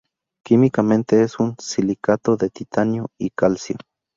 Químicamente es un silicato de titanio y calcio.